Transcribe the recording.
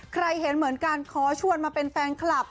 เห็นเหมือนกันขอชวนมาเป็นแฟนคลับ